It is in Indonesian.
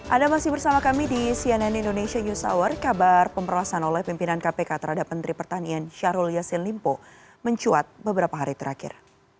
anda masih bersama kami di cnn indonesia news hour kabar pemerasan oleh pimpinan kpk terhadap menteri pertanian syahrul yassin limpo mencuat beberapa hari terakhir